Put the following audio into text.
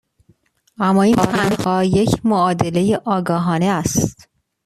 اما این تنها یک معادله آگاهانه است.